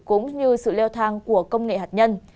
cũng như sự leo thang của công nghệ hạt nhân